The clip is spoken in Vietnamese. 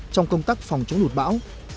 trong công tác phòng chống lụt bão